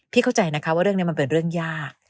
เข้าใจนะคะว่าเรื่องนี้มันเป็นเรื่องยาก